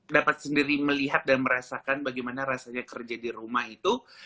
dapat sendiri melihat dan merasakan bagaimana rasanya kerja di rumah itu